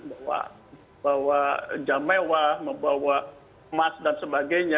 bawa jamewah membawa emas dan sebagainya